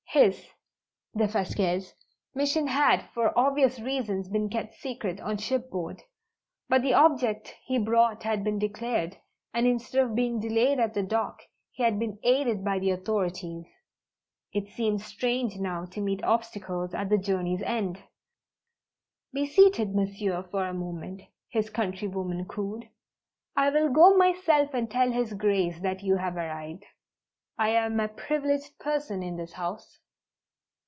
His Defasquelle's mission had for obvious reasons been kept secret on shipboard, but the object he brought had been declared, and instead of being delayed at the dock, he had been aided by the authorities. It seemed strange now to meet obstacles at the journey's end! "Be seated, Monsieur, for a moment," his countrywoman cooed. "I will go myself and tell His Grace that you have arrived. I am a privileged person in this house!"